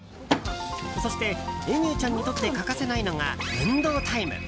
そして、エミューちゃんにとって欠かせないのが運動タイム。